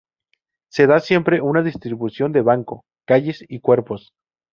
Se da siempre una distribución de banco, calles y cuerpos.